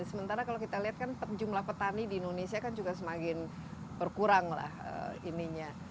sementara kalau kita lihat kan jumlah petani di indonesia kan juga semakin berkurang lah ininya